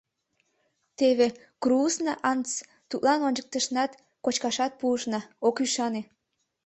Теве Крууса-Антс, тудлан ончыктышнат, кочкашат пуышна — ок ӱшане!